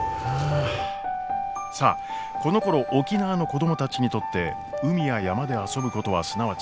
さあこの頃沖縄の子供たちにとって海や山で「遊ぶ」ことはすなわち「食べる」こと。